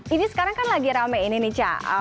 ini sekarang kan lagi rame ini nih cak